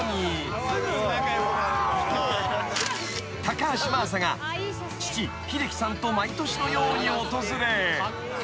［高橋真麻が父英樹さんと毎年のように訪れ］